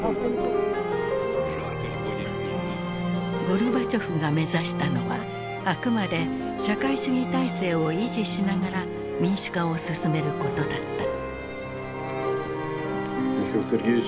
ゴルバチョフが目指したのはあくまで社会主義体制を維持しながら民主化を進めることだった。